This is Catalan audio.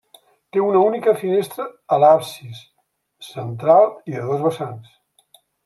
Té una única finestra a l'absis, central i de dos vessants.